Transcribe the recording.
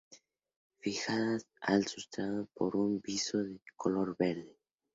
Fijadas al sustrato por un viso de color verde.